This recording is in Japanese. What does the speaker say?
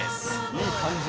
いい感じ。